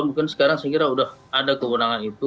mungkin sekarang saya kira sudah ada kewenangan itu